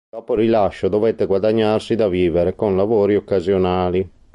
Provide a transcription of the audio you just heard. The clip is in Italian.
Dopo il rilascio, dovette guadagnarsi da vivere con lavori occasionali.